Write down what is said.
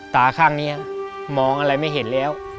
ตาข้างนี้มองอะไรไม่เห็นแล้ว